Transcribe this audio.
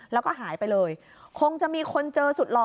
แล้วก็หายไปเลยคงจะมีคนเจอสุดหล่อ